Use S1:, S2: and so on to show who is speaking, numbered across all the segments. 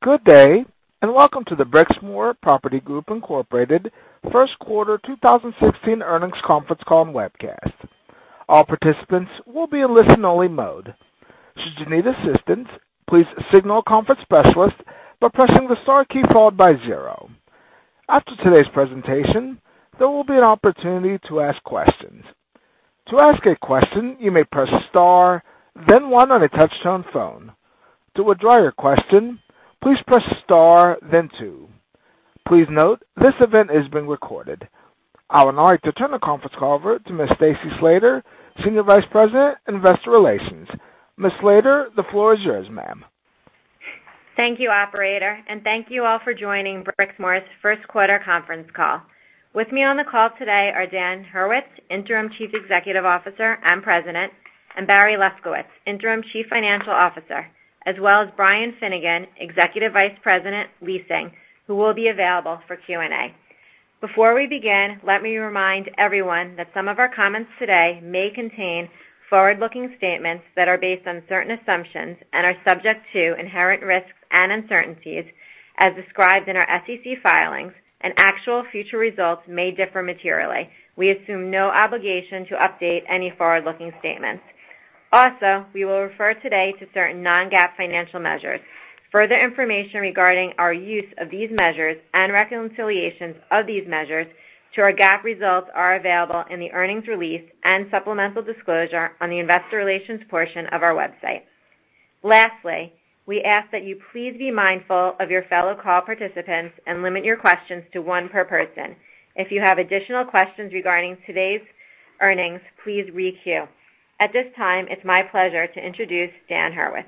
S1: Good day, and welcome to the Brixmor Property Group Incorporated First Quarter 2016 Earnings Conference Call and Webcast. All participants will be in listen-only mode. Should you need assistance, please signal a conference specialist by pressing the star key followed by zero. After today's presentation, there will be an opportunity to ask questions. To ask a question, you may press star, then one on a touch-tone phone. To withdraw your question, please press star, then two. Please note, this event is being recorded. I would now like to turn the conference call over to Ms. Stacy Slater, Senior Vice President, Investor Relations. Ms. Slater, the floor is yours, ma'am.
S2: Thank you, operator, and thank you all for joining Brixmor's first quarter conference call. With me on the call today are Daniel Hurwitz, Interim Chief Executive Officer and President, and Barry Lefkowitz, Interim Chief Financial Officer, as well as Brian Finnegan, Executive Vice President, Leasing, who will be available for Q&A. Before we begin, let me remind everyone that some of our comments today may contain forward-looking statements that are based on certain assumptions and are subject to inherent risks and uncertainties as described in our SEC filings, and actual future results may differ materially. We assume no obligation to update any forward-looking statements. Also, we will refer today to certain non-GAAP financial measures. Further information regarding our use of these measures and reconciliations of these measures to our GAAP results are available in the earnings release and supplemental disclosure on the investor relations portion of our website. Lastly, we ask that you please be mindful of your fellow call participants and limit your questions to one per person. If you have additional questions regarding today's earnings, please re-queue. At this time, it's my pleasure to introduce Daniel Hurwitz.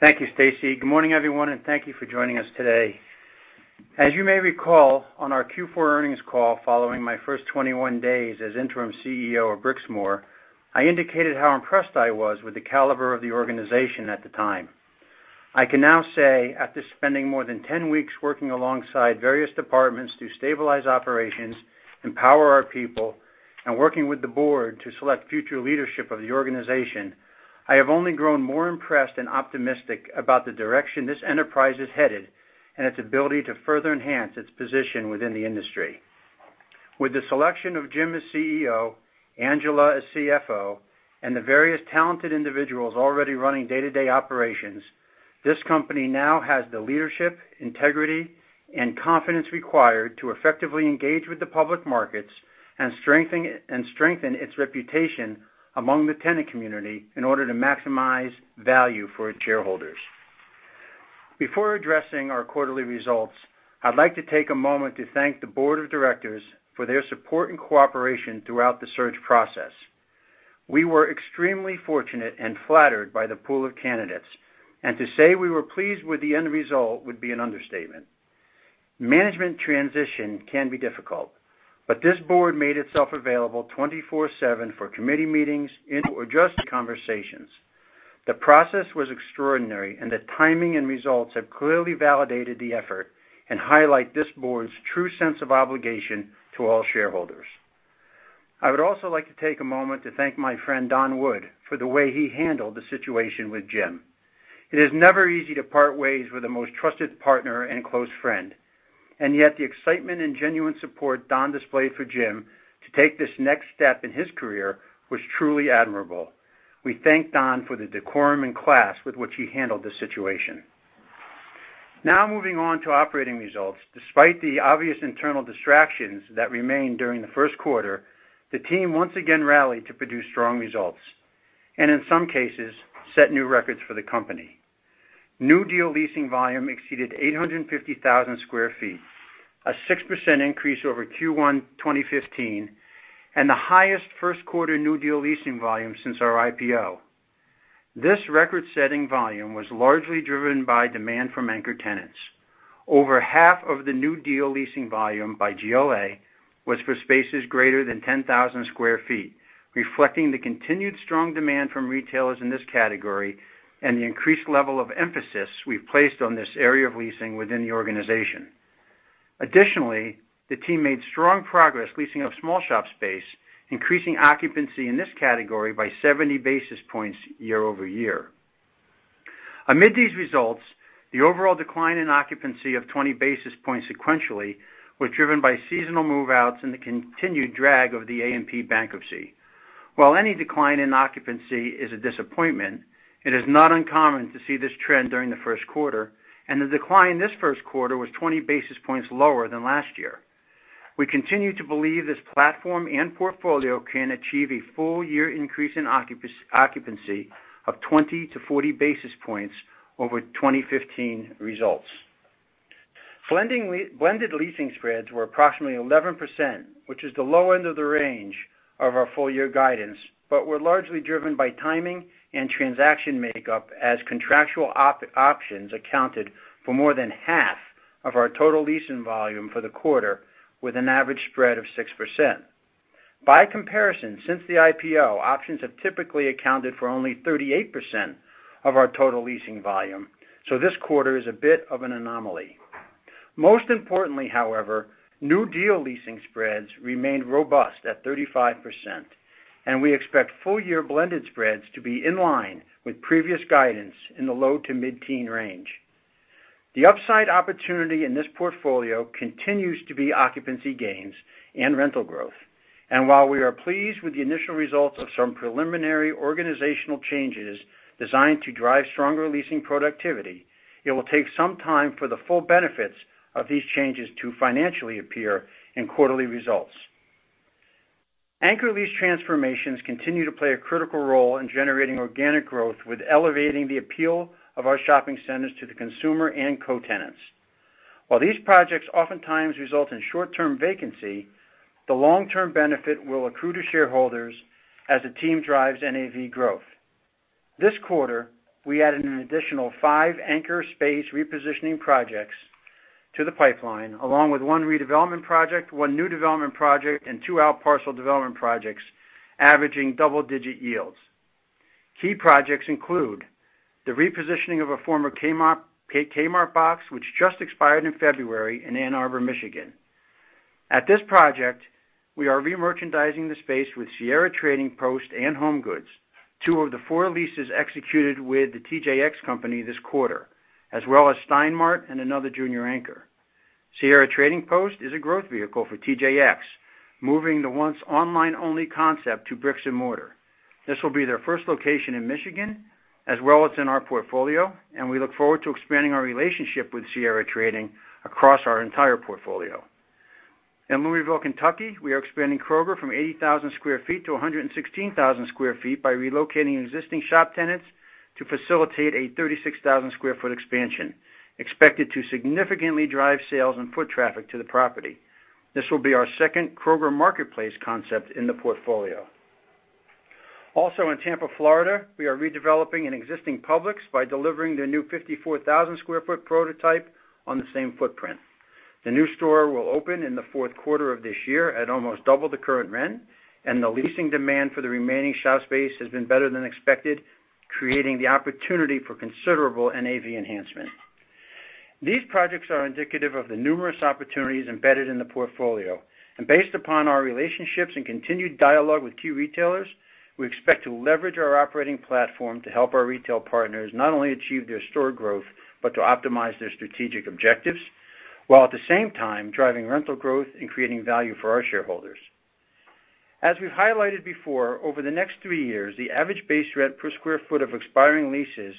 S3: Thank you, Stacy. Good morning, everyone, and thank you for joining us today. As you may recall, on our Q4 earnings call following my first 21 days as interim CEO of Brixmor, I indicated how impressed I was with the caliber of the organization at the time. I can now say after spending more than 10 weeks working alongside various departments to stabilize operations, empower our people, and working with the board to select future leadership of the organization, I have only grown more impressed and optimistic about the direction this enterprise is headed and its ability to further enhance its position within the industry. With the selection of Jim as CEO, Angela as CFO, and the various talented individuals already running day-to-day operations, this company now has the leadership, integrity, and confidence required to effectively engage with the public markets and strengthen its reputation among the tenant community in order to maximize value for its shareholders. Before addressing our quarterly results, I'd like to take a moment to thank the board of directors for their support and cooperation throughout the search process. We were extremely fortunate and flattered by the pool of candidates, and to say we were pleased with the end result would be an understatement. Management transition can be difficult, but this board made itself available 24/7 for committee meetings and/or just conversations. The process was extraordinary and the timing and results have clearly validated the effort and highlight this board's true sense of obligation to all shareholders. I would also like to take a moment to thank my friend Don Wood for the way he handled the situation with Jim. It is never easy to part ways with a most trusted partner and close friend, and yet the excitement and genuine support Don displayed for Jim to take this next step in his career was truly admirable. We thank Don for the decorum and class with which he handled the situation. Now moving on to operating results. Despite the obvious internal distractions that remained during the first quarter, the team once again rallied to produce strong results, and in some cases, set new records for the company. New deal leasing volume exceeded 850,000 square feet, a 6% increase over Q1 2015, and the highest first quarter new deal leasing volume since our IPO. This record-setting volume was largely driven by demand from anchor tenants. Over half of the new deal leasing volume by GLA was for spaces greater than 10,000 square feet, reflecting the continued strong demand from retailers in this category and the increased level of emphasis we've placed on this area of leasing within the organization. Additionally, the team made strong progress leasing of small shop space, increasing occupancy in this category by 70 basis points year-over-year. Amid these results, the overall decline in occupancy of 20 basis points sequentially was driven by seasonal move-outs and the continued drag of the A&P bankruptcy. While any decline in occupancy is a disappointment, it is not uncommon to see this trend during the first quarter, and the decline this first quarter was 20 basis points lower than last year. We continue to believe this platform and portfolio can achieve a full-year increase in occupancy of 20 to 40 basis points over 2015 results. Blended leasing spreads were approximately 11%, which is the low end of the range of our full-year guidance, but were largely driven by timing and transaction makeup as contractual options accounted for more than half of our total leasing volume for the quarter, with an average spread of 6%. By comparison, since the IPO, options have typically accounted for only 38% of our total leasing volume. This quarter is a bit of an anomaly. Most importantly, however, new deal leasing spreads remained robust at 35%, and we expect full-year blended spreads to be in line with previous guidance in the low to mid-teen range. The upside opportunity in this portfolio continues to be occupancy gains and rental growth. While we are pleased with the initial results of some preliminary organizational changes designed to drive stronger leasing productivity, it will take some time for the full benefits of these changes to financially appear in quarterly results. Anchor lease transformations continue to play a critical role in generating organic growth with elevating the appeal of our shopping centers to the consumer and co-tenants. While these projects oftentimes result in short-term vacancy, the long-term benefit will accrue to shareholders as the team drives NAV growth. This quarter, we added an additional 5 anchor space repositioning projects to the pipeline, along with one redevelopment project, one new development project, and two out parcel development projects averaging double-digit yields. Key projects include the repositioning of a former Kmart box, which just expired in February in Ann Arbor, Michigan. At this project, we are re-merchandising the space with Sierra Trading Post and HomeGoods, two of the four leases executed with the TJX company this quarter, as well as Stein Mart and another junior anchor. Sierra Trading Post is a growth vehicle for TJX, moving the once online-only concept to bricks and mortar. This will be their first location in Michigan, as well as in our portfolio, and we look forward to expanding our relationship with Sierra Trading across our entire portfolio. In Louisville, Kentucky, we are expanding Kroger from 80,000 sq ft to 116,000 sq ft by relocating existing shop tenants to facilitate a 36,000 sq ft expansion, expected to significantly drive sales and foot traffic to the property. This will be our second Kroger Marketplace concept in the portfolio. In Tampa, Florida, we are redeveloping an existing Publix by delivering their new 54,000 sq ft prototype on the same footprint. The new store will open in the fourth quarter of this year at almost double the current rent, and the leasing demand for the remaining shop space has been better than expected, creating the opportunity for considerable NAV enhancement. These projects are indicative of the numerous opportunities embedded in the portfolio. Based upon our relationships and continued dialogue with key retailers, we expect to leverage our operating platform to help our retail partners not only achieve their store growth, but to optimize their strategic objectives, while at the same time driving rental growth and creating value for our shareholders. As we've highlighted before, over the next three years, the average base rent per square foot of expiring leases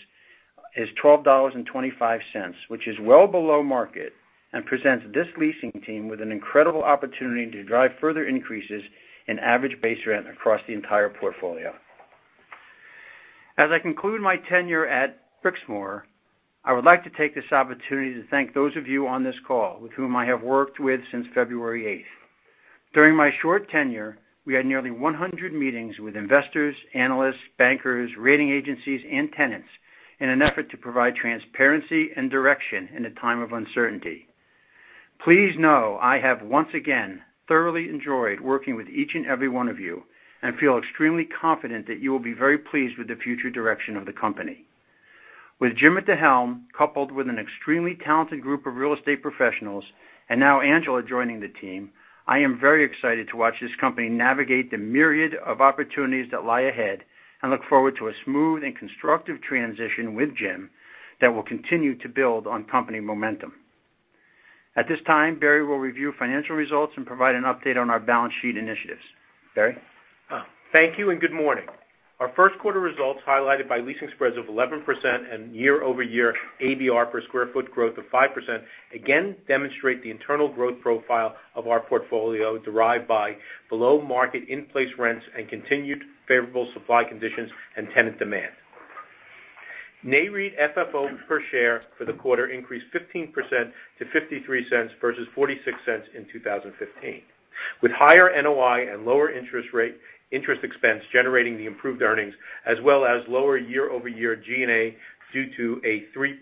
S3: is $12.25, which is well below market and presents this leasing team with an incredible opportunity to drive further increases in average base rent across the entire portfolio. As I conclude my tenure at Brixmor, I would like to take this opportunity to thank those of you on this call with whom I have worked with since February 8th. During my short tenure, we had nearly 100 meetings with investors, analysts, bankers, rating agencies, and tenants in an effort to provide transparency and direction in a time of uncertainty. Please know I have once again thoroughly enjoyed working with each and every one of you and feel extremely confident that you will be very pleased with the future direction of the company. With Jim at the helm, coupled with an extremely talented group of real estate professionals, and now Angela joining the team, I am very excited to watch this company navigate the myriad of opportunities that lie ahead and look forward to a smooth and constructive transition with Jim that will continue to build on company momentum. At this time, Barry will review financial results and provide an update on our balance sheet initiatives. Barry?
S4: Thank you. Good morning. Our first quarter results, highlighted by leasing spreads of 11% and year-over-year ADR per square foot growth of 5%, again demonstrate the internal growth profile of our portfolio derived by below-market in-place rents and continued favorable supply conditions and tenant demand. NAREIT FFO per share for the quarter increased 15% to $0.53 versus $0.46 in 2015. With higher NOI and lower interest rate, interest expense generating the improved earnings, as well as lower year-over-year G&A due to a $0.03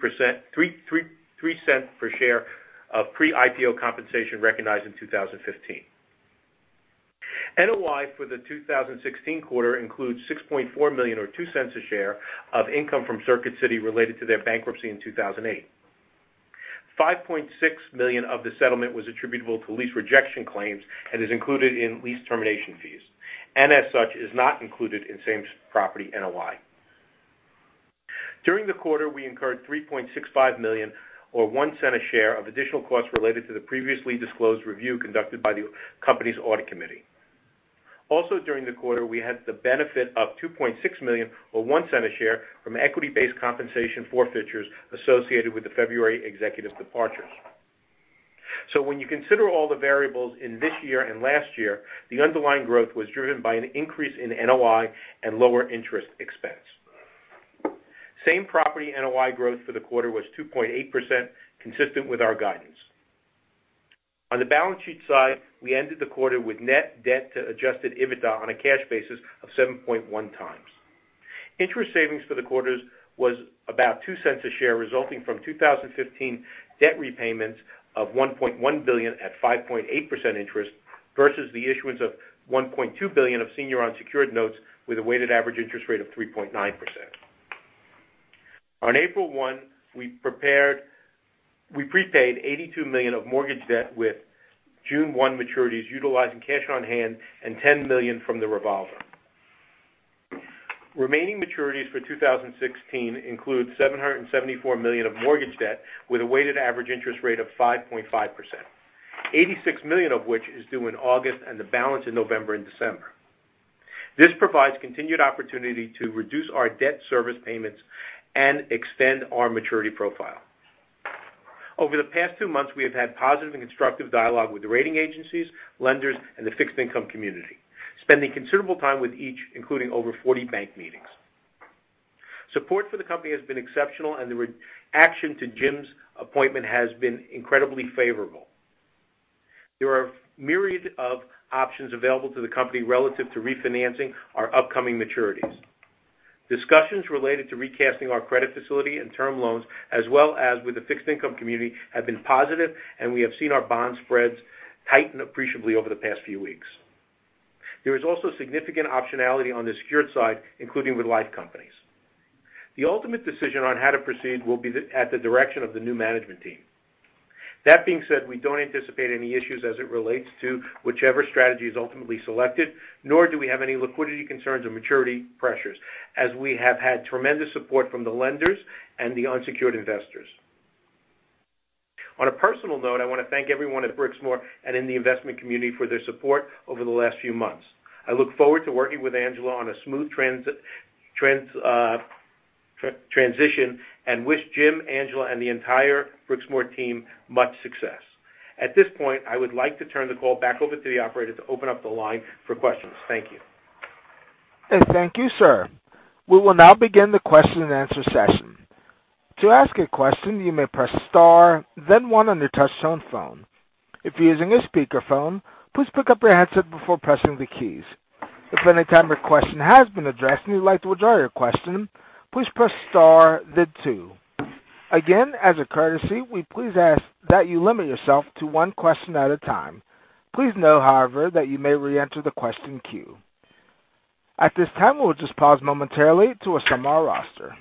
S4: per share of pre-IPO compensation recognized in 2015. NOI for the 2016 quarter includes $6.4 million or $0.02 a share of income from Circuit City related to their bankruptcy in 2008. $5.6 million of the settlement was attributable to lease rejection claims and is included in lease termination fees, and as such, is not included in same property NOI. During the quarter, we incurred $3.65 million or $0.01 a share of additional costs related to the previously disclosed review conducted by the company's audit committee. Also during the quarter, we had the benefit of $2.6 million or $0.01 a share from equity-based compensation forfeitures associated with the February executive departures. When you consider all the variables in this year and last year, the underlying growth was driven by an increase in NOI and lower interest expense. Same property NOI growth for the quarter was 2.8%, consistent with our guidance. On the balance sheet side, we ended the quarter with net debt to adjusted EBITDA on a cash basis of 7.1 times. Interest savings for the quarters was about $0.02 a share, resulting from 2015 debt repayments of $1.1 billion at 5.8% interest versus the issuance of $1.2 billion of senior unsecured notes with a weighted average interest rate of 3.9%. On April 1, we prepaid $82 million of mortgage debt with June 1 maturities, utilizing cash on hand and $10 million from the revolver. Remaining maturities for 2016 include $774 million of mortgage debt with a weighted average interest rate of 5.5%. $86 million of which is due in August and the balance in November and December. This provides continued opportunity to reduce our debt service payments and extend our maturity profile. Over the past two months, we have had positive and constructive dialogue with the rating agencies, lenders, and the fixed income community, spending considerable time with each, including over 40 bank meetings. Support for the company has been exceptional, the reaction to Jim's appointment has been incredibly favorable. There are a myriad of options available to the company relative to refinancing our upcoming maturities. Discussions related to recasting our credit facility and term loans, as well as with the fixed income community, have been positive, we have seen our bond spreads tighten appreciably over the past few weeks. There is also significant optionality on the secured side, including with life companies. The ultimate decision on how to proceed will be at the direction of the new management team. That being said, we don't anticipate any issues as it relates to whichever strategy is ultimately selected, nor do we have any liquidity concerns or maturity pressures, as we have had tremendous support from the lenders and the unsecured investors. On a personal note, I want to thank everyone at Brixmor and in the investment community for their support over the last few months. I look forward to working with Angela on a smooth transition and wish Jim, Angela, and the entire Brixmor team much success. At this point, I would like to turn the call back over to the operator to open up the line for questions. Thank you.
S1: Thank you, sir. We will now begin the question and answer session. To ask a question, you may press star then one on your touchtone phone. If you're using a speakerphone, please pick up your handset before pressing the keys. If any type of question has been addressed and you'd like to withdraw your question, please press star then two. Again, as a courtesy, we please ask that you limit yourself to one question at a time. Please know, however, that you may reenter the question queue. At this time, we'll just pause momentarily to assemble our roster.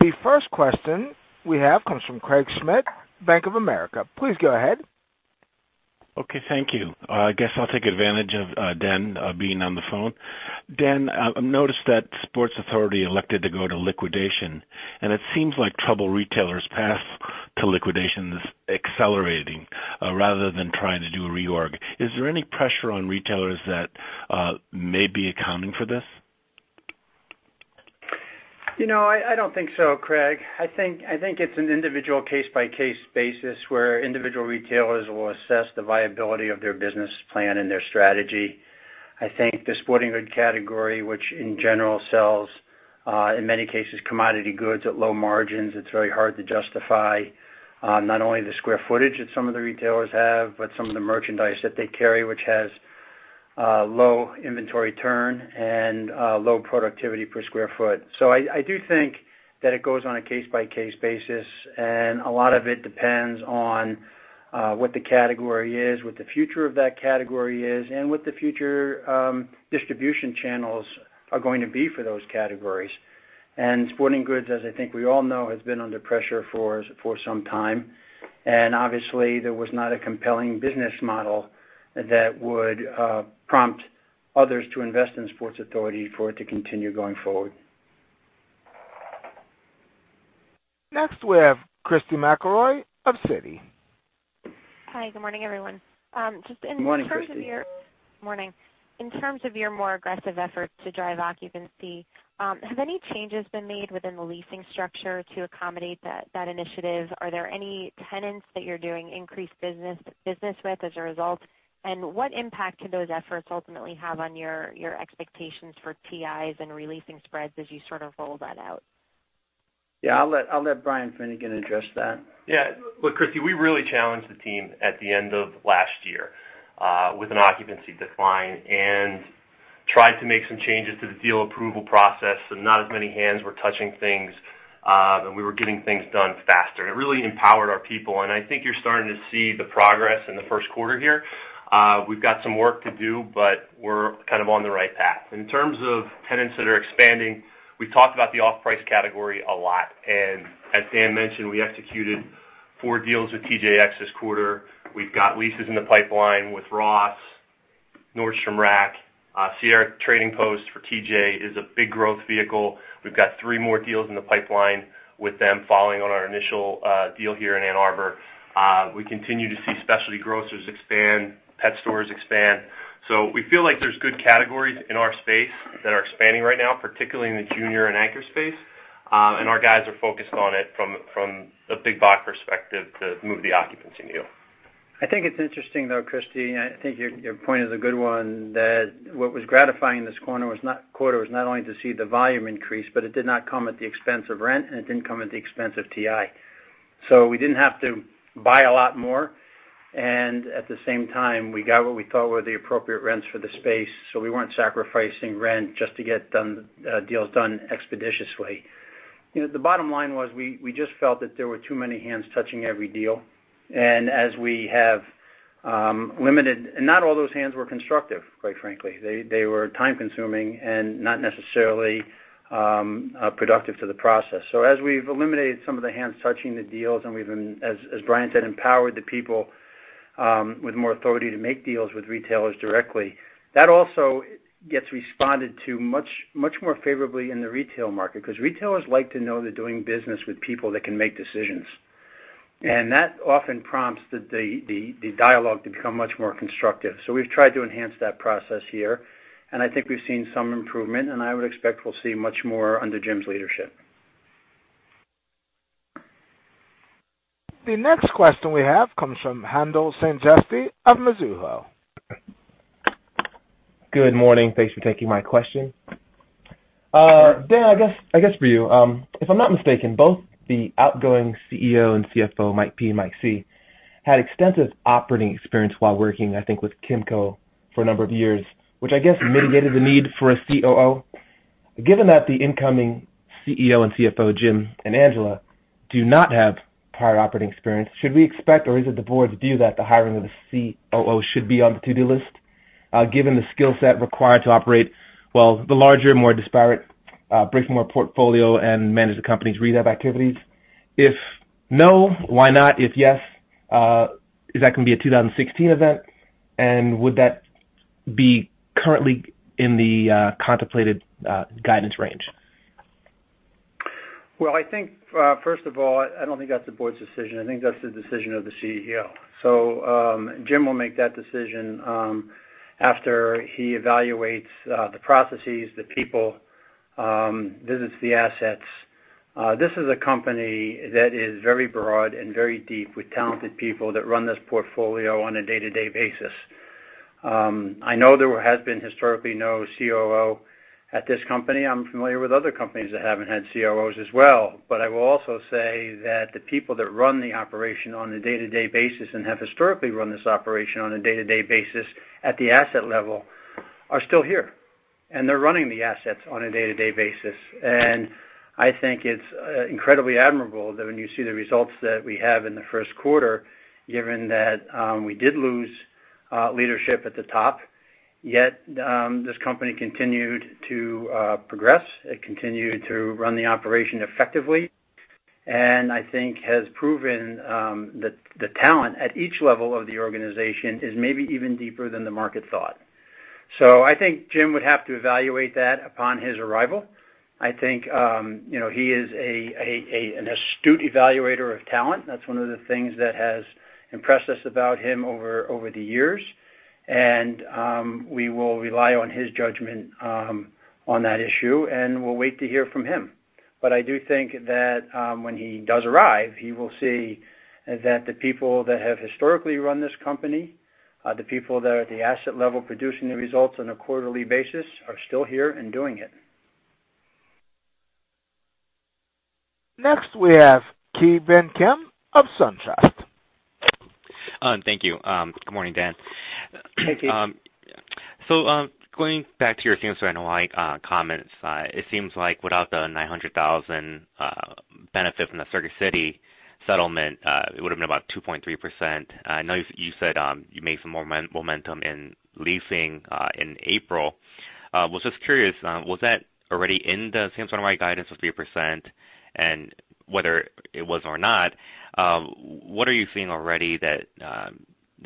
S1: The first question we have comes from Craig Schmidt, Bank of America. Please go ahead.
S5: Okay, thank you. I guess I'll take advantage of Dan being on the phone. Dan, I've noticed that Sports Authority elected to go to liquidation, it seems like troubled retailers' path to liquidation is accelerating rather than trying to do a reorg. Is there any pressure on retailers that may be accounting for this?
S3: I don't think so, Craig. I think it's an individual case-by-case basis where individual retailers will assess the viability of their business plan and their strategy. I think the sporting goods category, which in general sells, in many cases, commodity goods at low margins. It's very hard to justify not only the square footage that some of the retailers have, but some of the merchandise that they carry, which has low inventory turn and low productivity per square foot. I do think that it goes on a case-by-case basis, and a lot of it depends on what the category is, what the future of that category is, and what the future distribution channels are going to be for those categories. Sporting goods, as I think we all know, has been under pressure for some time. Obviously, there was not a compelling business model that would prompt others to invest in Sports Authority for it to continue going forward.
S1: Next, we have Christy McElroy of Citigroup.
S6: Hi, good morning, everyone.
S4: Good morning, Christy.
S6: Morning. In terms of your more aggressive efforts to drive occupancy, have any changes been made within the leasing structure to accommodate that initiative? Are there any tenants that you're doing increased business with as a result? What impact could those efforts ultimately have on your expectations for TIs and releasing spreads as you sort of roll that out?
S4: Yeah, I'll let Brian Finnegan address that.
S7: Yeah. Look, Christy, we really challenged the team at the end of last year with an occupancy decline and tried to make some changes to the deal approval process, so not as many hands were touching things, and we were getting things done faster. It really empowered our people, and I think you're starting to see the progress in the first quarter here. We've got some work to do, but we're kind of on the right path. In terms of tenants that are expanding, we talked about the off-price category a lot, and as Dan mentioned, we executed four deals with TJX this quarter. We've got leases in the pipeline with Ross, Nordstrom Rack. Sierra Trading Post for TJ is a big growth vehicle. We've got three more deals in the pipeline with them following on our initial deal here in Ann Arbor. We continue to see specialty grocers expand, pet stores expand. We feel like there's good categories in our space that are expanding right now, particularly in the junior and anchor space. Our guys are focused on it from the big box perspective to move the occupancy needle.
S3: I think it's interesting, though, Christy, and I think your point is a good one, that what was gratifying this quarter was not only to see the volume increase, but it did not come at the expense of rent, and it didn't come at the expense of TI. We didn't have to buy a lot more, and at the same time, we got what we thought were the appropriate rents for the space. We weren't sacrificing rent just to get deals done expeditiously. The bottom line was we just felt that there were too many hands touching every deal. As we have Not all those hands were constructive, quite frankly. They were time-consuming and not necessarily productive to the process. As we've eliminated some of the hands touching the deals, and we've, as Brian said, empowered the people with more authority to make deals with retailers directly. That also gets responded to much more favorably in the retail market, because retailers like to know they're doing business with people that can make decisions. That often prompts the dialogue to become much more constructive. We've tried to enhance that process here, and I think we've seen some improvement, and I would expect we'll see much more under Jim's leadership.
S1: The next question we have comes from Haendel St. Juste of Mizuho.
S8: Good morning. Thanks for taking my question.
S3: Sure.
S8: Dan, I guess for you, if I'm not mistaken, both the outgoing CEO and CFO, Mike P and Mike C, had extensive operating experience while working, I think, with Kimco for a number of years, which I guess mitigated the need for a COO. Given that the incoming CEO and CFO, Jim and Angela, do not have prior operating experience, should we expect, or is it the board's view that the hiring of a COO should be on the to-do list, given the skill set required to operate, well, the larger, more disparate, Brixmor portfolio and manage the company's rehab activities? If no, why not? If yes, is that going to be a 2016 event, and would that be currently in the contemplated guidance range?
S3: Well, I think, first of all, I don't think that's the board's decision. I think that's the decision of the CEO. Jim will make that decision after he evaluates the processes, the people, visits the assets. This is a company that is very broad and very deep with talented people that run this portfolio on a day-to-day basis. I know there has been historically no COO at this company. I'm familiar with other companies that haven't had COOs as well. I will also say that the people that run the operation on a day-to-day basis and have historically run this operation on a day-to-day basis at the asset level are still here, and they're running the assets on a day-to-day basis. I think it's incredibly admirable that when you see the results that we have in the first quarter, given that we did lose leadership at the top, yet this company continued to progress, it continued to run the operation effectively. I think has proven that the talent at each level of the organization is maybe even deeper than the market thought. I think Jim would have to evaluate that upon his arrival. I think he is an astute evaluator of talent. That's one of the things that has impressed us about him over the years, and we will rely on his judgment on that issue, and we'll wait to hear from him. I do think that when he does arrive, he will see that the people that have historically run this company, the people that are at the asset level, producing the results on a quarterly basis, are still here and doing it.
S1: Next, we have Ki Bin Kim of SunTrust.
S9: Thank you. Good morning, Dan.
S3: Hey, Ki.
S9: Going back to your same-store NOI comments. It seems like without the $900,000 benefit from the Circuit City settlement, it would've been about 2.3%. I know you said you made some more momentum in leasing in April. Was just curious, was that already in the same-store NOI guidance of 3%? Whether it was or not, what are you seeing already that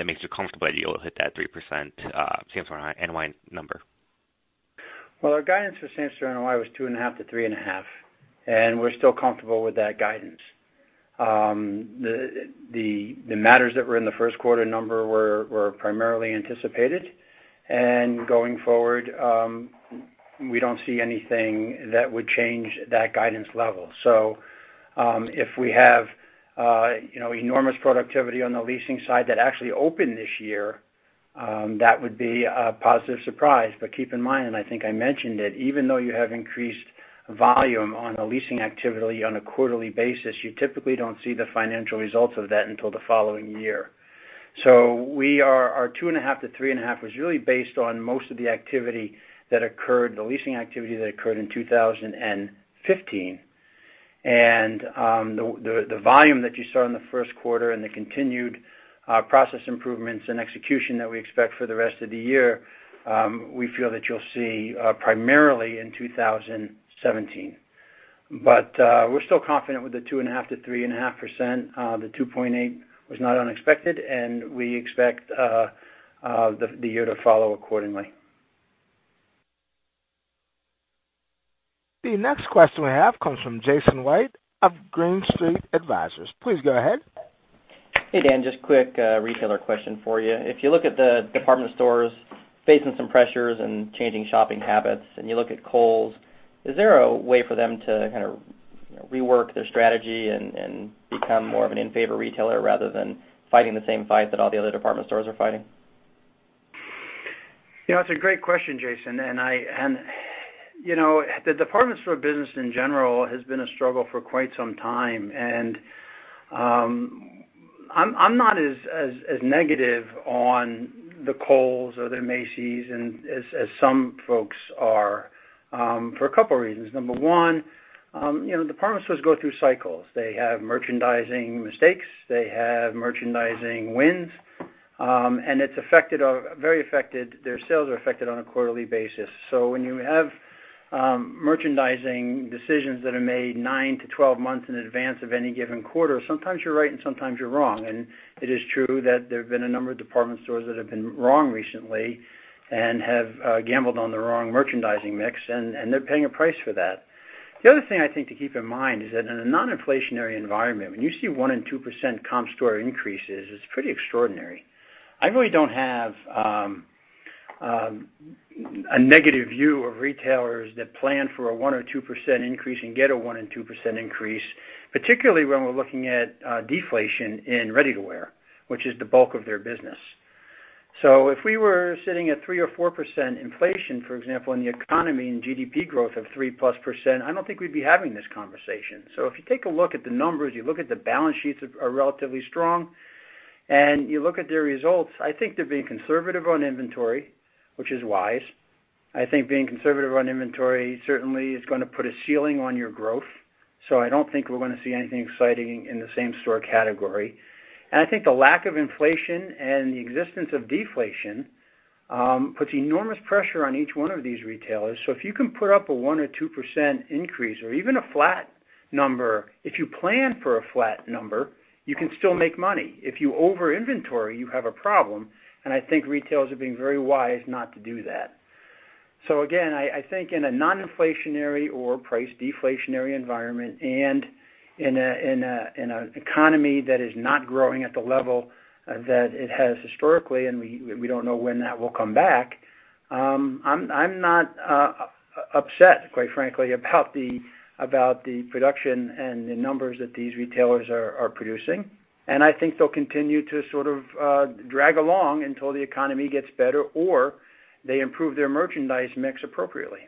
S9: makes you comfortable that you'll hit that 3% same-store NOI number?
S3: Well, our guidance for same-store NOI was 2.5%-3.5%, and we're still comfortable with that guidance. The matters that were in the first quarter number were primarily anticipated, and going forward, we don't see anything that would change that guidance level. If we have enormous productivity on the leasing side that actually opened this year, that would be a positive surprise. Keep in mind, and I think I mentioned it, even though you have increased volume on a leasing activity on a quarterly basis, you typically don't see the financial results of that until the following year. Our 2.5%-3.5% was really based on most of the leasing activity that occurred in 2015. The volume that you saw in the first quarter and the continued process improvements and execution that we expect for the rest of the year, we feel that you'll see primarily in 2017. We're still confident with the 2.5%-3.5%. The 2.8% was not unexpected, and we expect the year to follow accordingly.
S1: The next question we have comes from Jason White of Green Street Advisors. Please go ahead.
S10: Hey, Dan. Just quick retailer question for you. If you look at the department stores facing some pressures and changing shopping habits, and you look at Kohl's, is there a way for them to kind of rework their strategy and become more of an in-favor retailer rather than fighting the same fight that all the other department stores are fighting?
S3: That's a great question, Jason. The department store business in general has been a struggle for quite some time, and I'm not as negative on the Kohl's or the Macy's as some folks are. For a couple of reasons. Number one, department stores go through cycles. They have merchandising mistakes, they have merchandising wins, and their sales are affected on a quarterly basis. When you have merchandising decisions that are made 9 to 12 months in advance of any given quarter, sometimes you're right and sometimes you're wrong. It is true that there have been a number of department stores that have been wrong recently and have gambled on the wrong merchandising mix, and they're paying a price for that. The other thing I think to keep in mind is that in a non-inflationary environment, when you see 1% and 2% comp store increases, it's pretty extraordinary. I really don't have a negative view of retailers that plan for a 1% or 2% increase and get a 1% and 2% increase, particularly when we're looking at deflation in ready-to-wear, which is the bulk of their business. If we were sitting at 3% or 4% inflation, for example, and the economy and GDP growth of 3%+, I don't think we'd be having this conversation. If you take a look at the numbers, you look at the balance sheets are relatively strong, and you look at their results, I think they're being conservative on inventory, which is wise. I think being conservative on inventory certainly is going to put a ceiling on your growth. I don't think we're going to see anything exciting in the same store category. I think the lack of inflation and the existence of deflation puts enormous pressure on each one of these retailers. If you can put up a 1% or 2% increase or even a flat number, if you plan for a flat number, you can still make money. If you over inventory, you have a problem, and I think retailers are being very wise not to do that. Again, I think in a non-inflationary or price deflationary environment and in an economy that is not growing at the level that it has historically, and we don't know when that will come back, I'm not upset, quite frankly, about the production and the numbers that these retailers are producing. I think they'll continue to sort of drag along until the economy gets better or they improve their merchandise mix appropriately.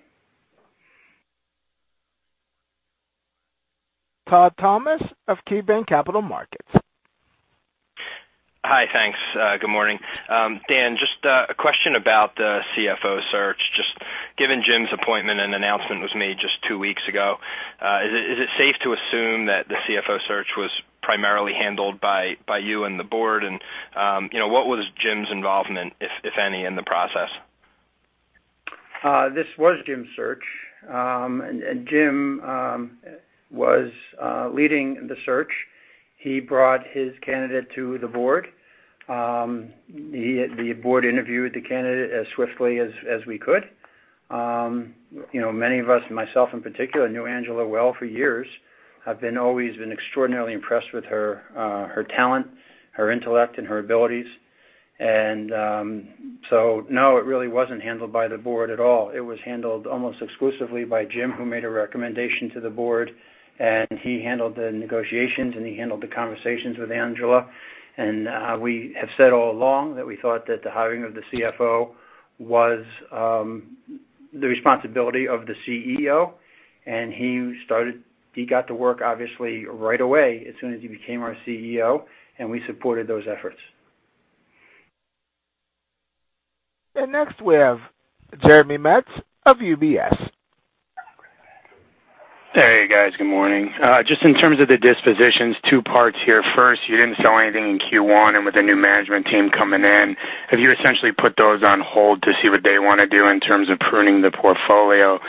S1: Todd Thomas of KeyBanc Capital Markets.
S11: Hi, thanks. Good morning. Dan, just a question about the CFO search. Just given Jim's appointment and announcement was made just two weeks ago, is it safe to assume that the CFO search was primarily handled by you and the board? What was Jim's involvement, if any, in the process?
S3: This was Jim's search. Jim was leading the search. He brought his candidate to the board. The board interviewed the candidate as swiftly as we could. Many of us, myself in particular, knew Angela well for years. I've always been extraordinarily impressed with her talent, her intellect, and her abilities. So no, it really wasn't handled by the board at all. It was handled almost exclusively by Jim, who made a recommendation to the board, he handled the negotiations, and he handled the conversations with Angela. We have said all along that we thought that the hiring of the CFO was the responsibility of the CEO, and he got to work, obviously, right away as soon as he became our CEO, and we supported those efforts.
S1: Next we have Jeremy Metz of UBS.
S12: Hey, guys. Good morning. Just in terms of the dispositions, two parts here. First, you didn't sell anything in Q1, and with the new management team coming in, have you essentially put those on hold to see what they want to do in terms of pruning the portfolio?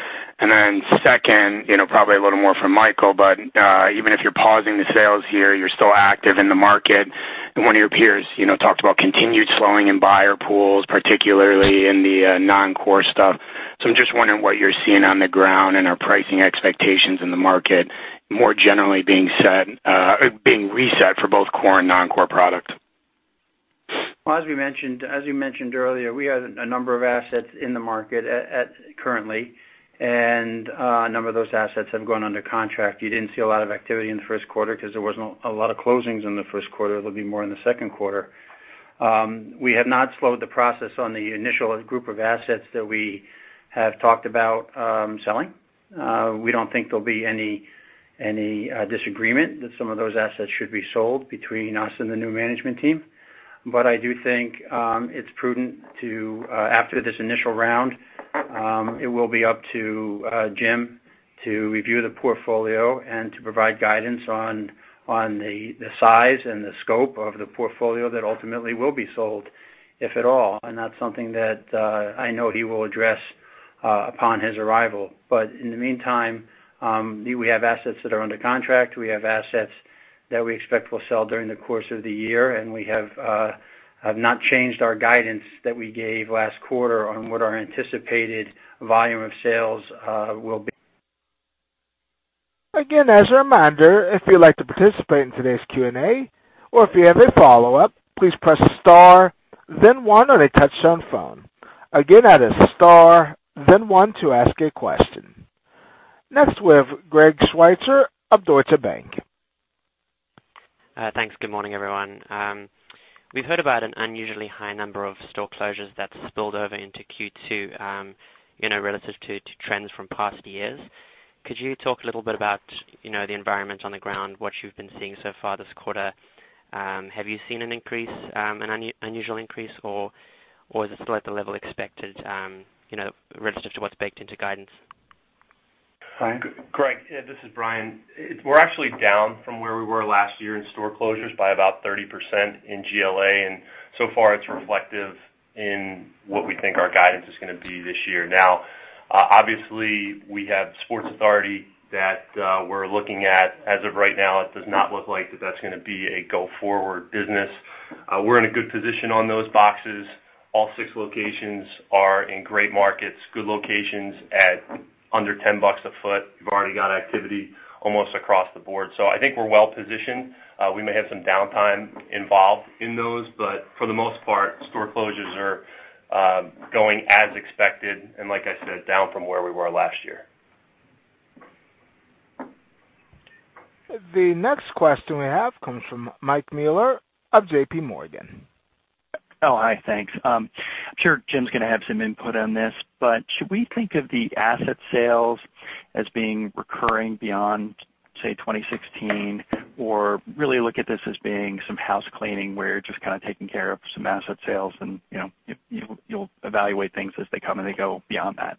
S12: Second, probably a little more from Michael, but even if you're pausing the sales here, you're still active in the market. One of your peers talked about continued slowing in buyer pools, particularly in the non-core stuff. I'm just wondering what you're seeing on the ground and are pricing expectations in the market more generally being reset for both core and non-core products.
S3: Well, as we mentioned earlier, we had a number of assets in the market currently, and a number of those assets have gone under contract. You didn't see a lot of activity in the first quarter because there was not a lot of closings in the first quarter. There'll be more in the second quarter. We have not slowed the process on the initial group of assets that we have talked about selling. We don't think there'll be any disagreement that some of those assets should be sold between us and the new management team. I do think it's prudent to, after this initial round, it will be up to Jim to review the portfolio and to provide guidance on the size and the scope of the portfolio that ultimately will be sold, if at all. That's something that I know he will address upon his arrival. In the meantime, we have assets that are under contract. We have assets that we expect will sell during the course of the year, and we have not changed our guidance that we gave last quarter on what our anticipated volume of sales will be.
S1: Again, as a reminder, if you'd like to participate in today's Q&A or if you have a follow-up, please press star then one on a touch-tone phone. Again, that is star then one to ask a question. Next, we have Greg McGinniss of Deutsche Bank.
S13: Thanks. Good morning, everyone. We've heard about an unusually high number of store closures that spilled over into Q2 relative to trends from past years. Could you talk a little bit about the environment on the ground, what you've been seeing so far this quarter? Have you seen an increase, an unusual increase, or is it still at the level expected, relative to what's baked into guidance?
S3: Brian?
S7: Greg, this is Brian. We're actually down from where we were last year in store closures by about 30% in GLA, and so far it's reflective in what we think our guidance is going to be this year. Now, obviously, we have Sports Authority that we're looking at. As of right now, it does not look like that's going to be a go-forward business. We're in a good position on those boxes. All six locations are in great markets, good locations at under $10 a foot. We've already got activity almost across the board. I think we're well-positioned. We may have some downtime involved in those, but for the most part, store closures are going as expected and like I said, down from where we were last year.
S1: The next question we have comes from Mike Mueller of JPMorgan.
S14: Oh, hi. Thanks. I'm sure Jim's going to have some input on this, should we think of the asset sales as being recurring beyond, say, 2016? Really look at this as being some housecleaning where you're just kind of taking care of some asset sales and you'll evaluate things as they come and they go beyond that?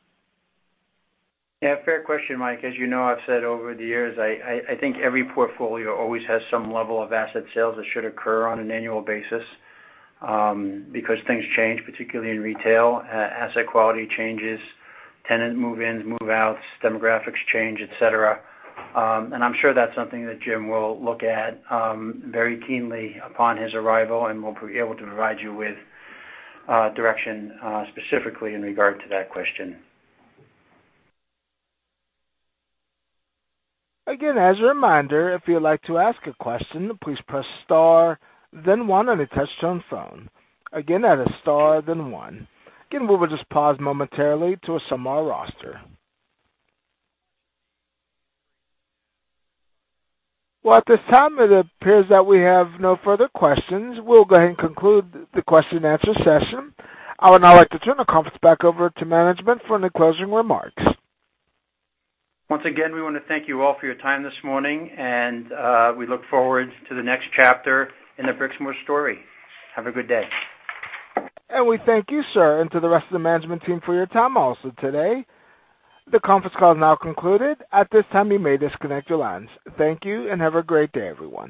S3: Yeah, fair question, Mike. As you know, I've said over the years, I think every portfolio always has some level of asset sales that should occur on an annual basis, because things change, particularly in retail. Asset quality changes, tenant move-ins, move-outs, demographics change, et cetera. I'm sure that's something that Jim will look at very keenly upon his arrival and we'll be able to provide you with direction specifically in regard to that question.
S1: Again, as a reminder, if you'd like to ask a question, please press star, then one on a touch-tone phone. Again, that is star, then one. Again, we will just pause momentarily to assemble our roster. Well, at this time, it appears that we have no further questions. We'll go ahead and conclude the question and answer session. I would now like to turn the conference back over to management for any closing remarks.
S3: Once again, we want to thank you all for your time this morning, and we look forward to the next chapter in the Brixmor story. Have a good day.
S1: We thank you, sir, and to the rest of the management team for your time also today. The conference call is now concluded. At this time, you may disconnect your lines. Thank you, and have a great day, everyone.